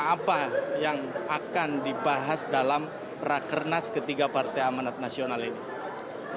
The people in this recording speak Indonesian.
apa yang akan dibahas dalam rakernas ketiga partai amanat nasional ini